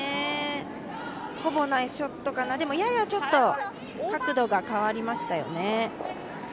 ほぼナイスショットかな、でも、ややちょっと角度が変わりましたよね。